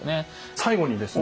最後にですね